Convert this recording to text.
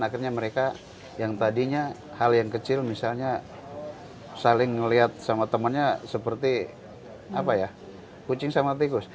akhirnya mereka yang tadinya hal yang kecil misalnya saling melihat sama temannya seperti kucing sama tikus